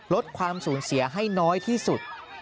ลดความสูญเสียให้น้อยที่สุด